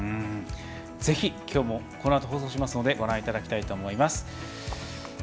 ぜひ今日もこのあと放送しますのでご覧いただきたいと思います。